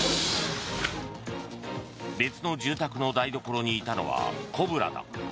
別の住宅の台所にいたのはコブラだ。